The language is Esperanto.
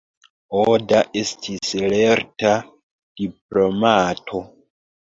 Oda estis lerta diplomato.